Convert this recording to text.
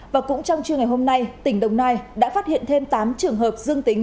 và cũng trong trưa ngày hôm nay tỉnh đồng nai đã phát hiện thêm tám trường hợp dương tính